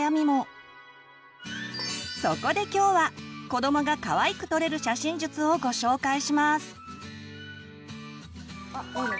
そこで今日は子どもがかわいく撮れる写真術をご紹介します！